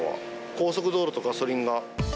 高速道路とガソリンが。